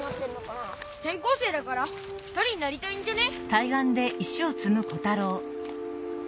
てん校生だから１人になりたいんじゃね？